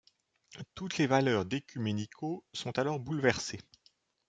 Toutes les valeurs d'Ecuménico sont alors bouleversées.